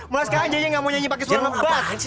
mulai sekarang jajan gak mau nyanyi pakai suara ngebat